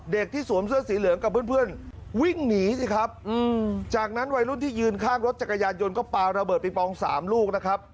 ที่สวมเสื้อสีเหลืองกับเพื่อนวิ่งหนีสิครับจากนั้นวัยรุ่นที่ยืนข้างรถจักรยานยนต์ก็ปลาระเบิดปิงปอง๓ลูกนะครับ